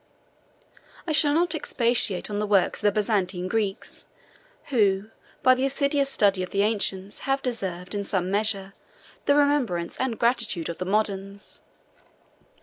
I shall not expatiate on the works of the Byzantine Greeks, who, by the assiduous study of the ancients, have deserved, in some measure, the remembrance and gratitude of the moderns.